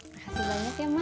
makasih banyak ya ma